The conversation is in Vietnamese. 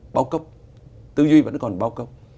bao cấp tư duy vẫn còn bao cấp